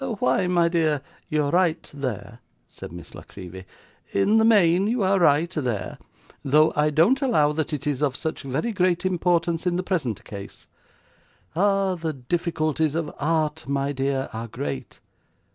'Why, my dear, you are right there,' said Miss La Creevy, 'in the main you are right there; though I don't allow that it is of such very great importance in the present case. Ah! The difficulties of Art, my dear, are great.